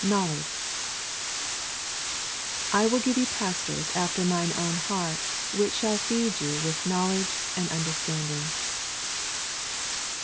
KNOWLEDGE 'I will give you pastors after Mine own heart, which shall feed you with knowledge and understanding.'